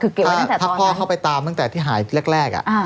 คือเก็บไว้ตั้งแต่ตอนนั้นถ้าพ่อเข้าไปตามตั้งแต่ที่หายแรกอะ